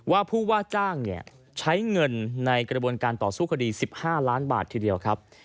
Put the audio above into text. ว่าผู้ว่าจ้างใช้เงินในกระบวนการต่อสู้คดี๑๕ล้านบาททีเดียวครับ